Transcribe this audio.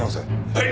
はい！